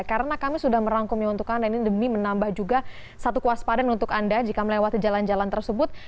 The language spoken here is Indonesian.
karena kami sudah merangkumnya untuk anda ini demi menambah juga satu kuas padan untuk anda jika melewati jalan jalan tersebut